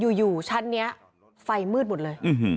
อยู่อยู่ชั้นเนี้ยเฟ้ายมืดหมดเลย